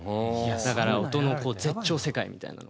だから音の絶頂世界みたいなのを。